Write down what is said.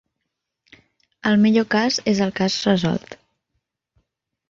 El millor cas és el cas resolt.